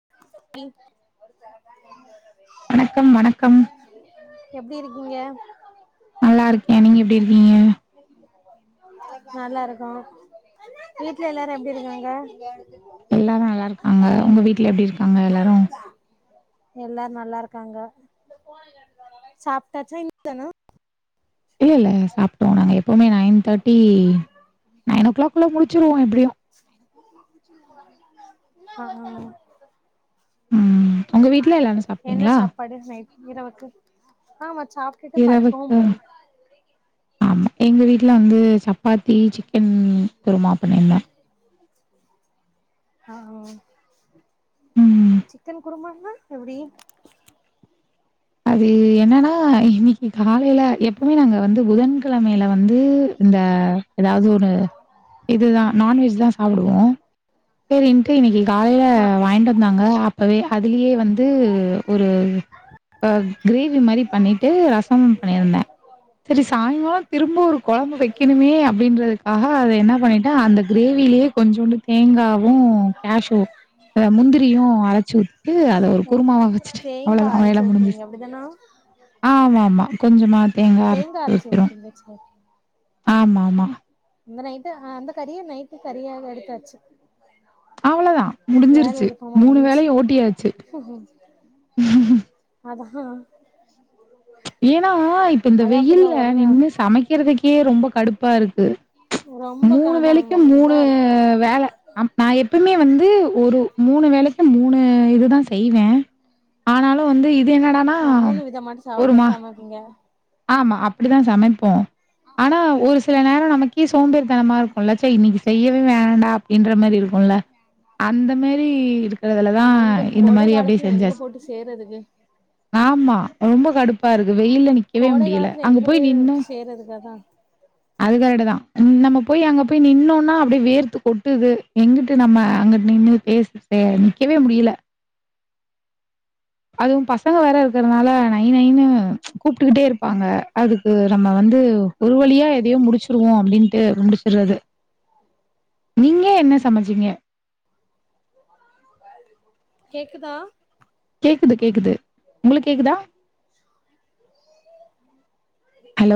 [inaudible] வணக்கம் வணக்கம் எப்டி இருக்கீங்க நல்லாருக்கே நீங்க எப்டி இருக்கீங்க நல்லாருக்கோ வீட்ல எல்லாரு எப்டி இருக்காங்க எல்லாரு நல்லாருக்காங்க உங்க வீ்ட்ல எப்டிருக் [unintelligible] எல்லாரு நல்லா இருக்காங்க சாப்ட்டாச்சா இனிமே தானா இல்லல்ல சாப்ட்டோ நாங்க எப்போமே நைன் தேர்ட்டி நைன் ஓ கிளாக்குள்ள முடிச்சிருவோ எப்டியு ஆ ஆ ம் உங்க வீட்ல எல்லாரு என்ன சாப்ட்டீங்களா சாப்பாடு நைட் இரவுக்கு ஆமா சாப் இரவுக்கா ஆமா எங்க வீட்ல வந்து சப் ப்பாத்தி சிக்கன் குருமா பண்ணிருந்தே ஆ ஓ ம் சிக்கன் குருமான்னா எப்டி அது என்னனா இன்னைக்கு காலைல எப்பவுமே நாங்க வந்து புதன்கெழமைல வந்து இந்த எதாவ்து ஒன்னு இதுதா நான்வெஜ் தா சாப்டுவோ சேரின்ட்டு இன்னைக்கு காலைல ஆ வாங்கிட்டு வந்தாங்க அப்பவே அதுலயே வந்து ஒரு அ கிரேவி மாரி பண்ணிட்டு ரசமு பண்ணியருந்தே செரி சாய்ங்கால திரும்ப ஒரு கொழம்பு வெக்கணுமே அப்டின்றதுக்காக அத என்ன பண்ணிட்டே அந்த கிரேவிலே கொஞ்சோண்டு தேங்காவு கேஷ்யூவு அ முந்திரியு அரைச்சு ஊத்திட்டு அத ஒரு குருமாவா வச்சுட்டே அவ்ளோ தா வேல முடிஞ்சுருச் இதனா ஆமாம்மா கொஞ்சமா தேங்கா அரச்சு ஊத்திருவோ ஆமாம்மா இந்த நைட்டு அ அந்த கறிய நைட்டு கறியா வறுத்தாச்சு அவளதா முடிஞ்சிருச்சு இழுக்காம மூணு முடிஞ்சு வேலையு ஓட்டியாச்சு அதா ஏனா இப்ப இந்த அது அப்டிதா வெயில்ல ஒரு நாள் நின்னு சமைக்கிறதுக்கே ரொம்ப கடுப்பா இருக்கு ரொம்ப மூணு காதா வேலைக்கு இதா மூணு இருக்கு வேல ஆமா நா எப்பவுமே வந்து ஒரு மூணு வேலைக்கு மூணு இதுதா செய்வே ஆனாலு வந்து இது என்னடானா ஆ மூணு விதமா தா சாப்ட சமைப்பீங்க ஆமா அப்டிதா சமைப்போ ஆனா ஒரு சில நேர நமக்கே சோம்பேறி தனமா இருக்குல்ல சை இன்னைக்கு செய்யவே வேண்டா ன்ற மாரி இருக்குல்ல அந்த மாரி இருக்கிறதுலதா ஆமா இந்த கோடை மாரி அப்டியே காலத்துல எங்க செஞ்சாச்சு போட்டு செய்றதுக்கு ஆமா ரொம்ப கடுப்பா இருக்கு வெயில்ல நிக்கவே முடியல அங்க போய் நின்னு வேற இதுக்கு அதா அது கரெட்டு தா ம் நம்ம போய் அங்க போய் நின்னோனா அப்டியே வேர்த்து கொட்டுது எங்கிட் டு நம்ம அங்குட்டு நின்னு பேசி சே நிக்கவே முடியல அதுவு பசங்க வேற இருக்கிறதுனால நை நைன்னு கூப்ட்டுக்கிட்டே இருப்பாங்க அதுக்கு நம்ம வந்து ஒரு வழியா இதையு முடிச்சிருவோ அப்டின் ட்டு முடிச்சுட்றது நீங்க என்ன சமைச்சீங்க கேக்குதா கேக்குது கேக்குது உங்களுக்கு கேக்குதா ஹலோ